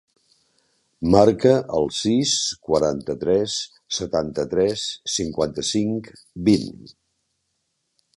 Marca el sis, quaranta-tres, setanta-tres, cinquanta-cinc, vint.